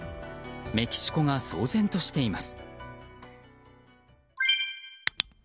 メキシコが騒然としています。